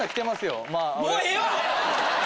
もうええ！